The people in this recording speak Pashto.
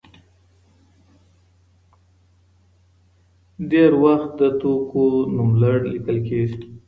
ډېری وخت د توکو نوملړ لیکل کېږي.